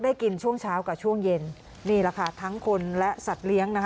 กินช่วงเช้ากับช่วงเย็นนี่แหละค่ะทั้งคนและสัตว์เลี้ยงนะคะ